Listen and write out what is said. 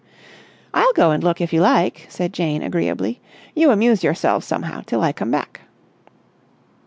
"I'll go and look, if you like," said Jane agreeably. "You amuse yourselves somehow till I come back."